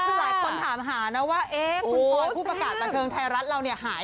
หลายคนถามหาว่าพุธประกาศทายรัฐเราหายไปไหน